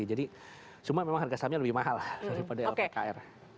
jadi cuma memang harga sahamnya lebih mahal daripada lpkr